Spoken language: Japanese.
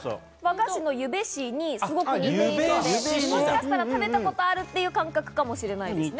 和菓子のゆべしにすごく似ていて、もしかしたら食べたことあるっていう感覚かもしれないですね。